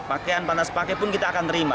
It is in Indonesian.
pakaian panas pakai pun kita akan terima